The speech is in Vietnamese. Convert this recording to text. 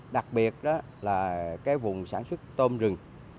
đặc biệt là vùng sản xuất tôm rừng